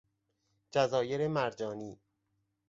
جزایر مرجانی